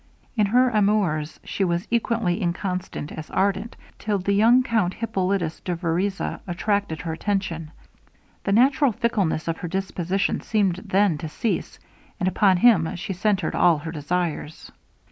In her amours she was equally inconstant as ardent, till the young Count Hippolitus de Vereza attracted her attention. The natural fickleness of her disposition seemed then to cease, and upon him she centered all her desires.